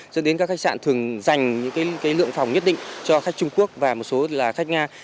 dẫn đến các khách sạn thường dành những lượng phòng nhất định cho khách trung quốc và một số là khách nga